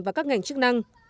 và các ngành chức năng